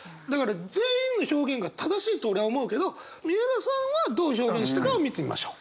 全員の表現が正しいと俺は思うけど三浦さんはどう表現したかを見てみましょう。